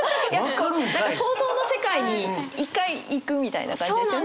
想像の世界に一回行くみたいな感じですよね？